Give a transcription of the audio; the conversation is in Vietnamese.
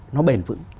nó bền vững